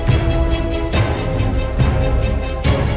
kamu ngapain disini